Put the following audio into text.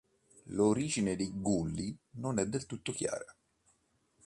L'origine dei "gully" non è del tutto chiara.